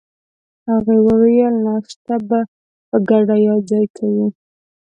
هغې وویل: ناشته به په ګډه یوځای کوو.